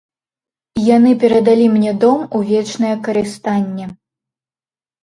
Яны перадалі мне дом у вечнае карыстанне.